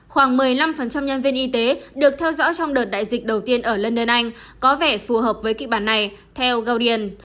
khoảng một mươi năm nhân viên y tế được theo dõi trong đợt đại dịch đầu tiên ở london anh có vẻ phù hợp với kịch bản này theo golden